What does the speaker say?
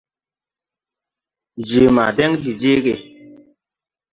Je ma dɛŋ de jeege.